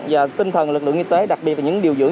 và tinh thần lực lượng y tế đặc biệt là những điều dưỡng